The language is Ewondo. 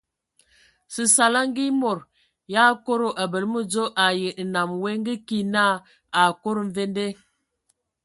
Səsala ngə e mod yʼakodo abələ mədzo ai nnam woe ngə ki na akodo mvende.